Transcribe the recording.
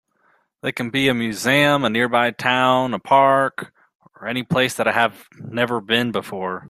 They can be a museum, a nearby town, a park, or any place that I have never been before.